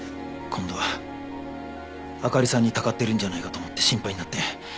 今度は明里さんにたかってるんじゃないかと思って心配になって。